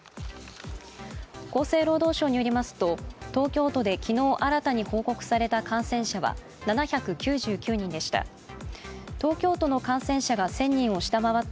厚生労働省によりますと、東京都で昨日新たに報告された感染者は７９９人でした。